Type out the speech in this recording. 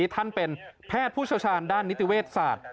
ท่านเป็นแพทย์ผู้เชี่ยวชาญด้านนิติเวชศาสตร์